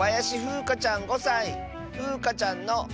ふうかちゃんの。